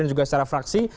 dan juga secara fraksi